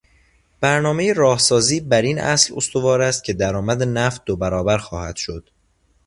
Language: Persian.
برنامهی راهسازی براین اصل استوار است که درآمد نفت دوبرابر خواهد شد.